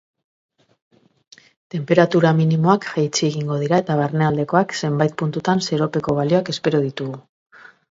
Tenperatura minimoak jaitsi egingo dira eta barnealdeko zenbait puntutan zeropeko balioak espero ditugu.